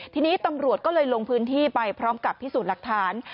ทีนี้ตำรวจก็เลยลงพื้นที่ไปพร้อมกับพิสูจน์หลักฐาน